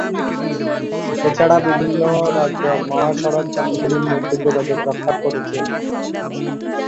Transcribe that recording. এছাড়া বিভিন্ন রাজ্য মহাসড়ক গ্রামগুলির মধ্যে যোগাযোগ রক্ষা করেছে।